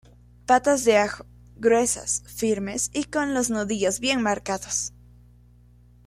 Patas de ajo: Gruesas, firmes y con los nudillos bien marcados.